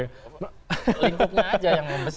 lingkupnya aja yang membesar